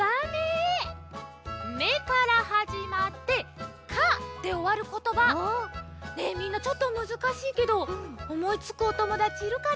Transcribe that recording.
「め」からはじまって「か」でおわることばねえみんなちょっとむずかしいけどおもいつくおともだちいるかな？